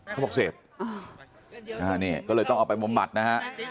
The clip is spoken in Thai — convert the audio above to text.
เขาบอกเสพนี่ก็เลยต้องเอาไปบำบัดนะฮะ